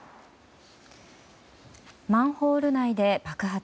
マンホール内で爆発。